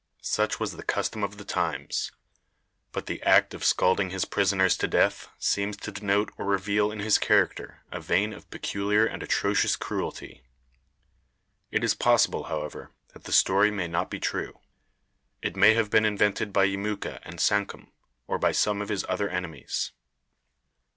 Such was the custom of the times. But the act of scalding his prisoners to death seems to denote or reveal in his character a vein of peculiar and atrocious cruelty. It is possible, however, that the story may not be true. It may have been invented by Yemuka and Sankum, or by some of his other enemies.